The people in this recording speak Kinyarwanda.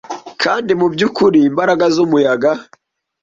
kandi mubyukuri imbaraga zumuyaga